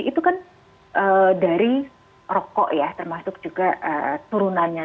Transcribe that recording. itu kan dari rokok ya termasuk juga turunannya